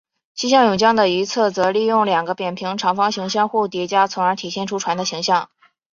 面向甬江的一侧则利用两个扁平长方形相互叠加从而体现出船的形象。